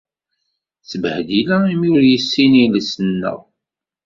D ttbehdila imi ur yessin iles-nneɣ.